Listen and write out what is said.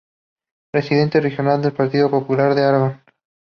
Presidente Regional del Partido Popular en Aragón.